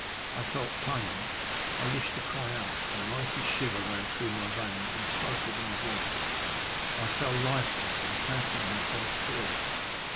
I felt pain; I wished to cry out, but an icy shiver ran through my veins and stifled my voice; I fell lifeless, and fancied myself killed.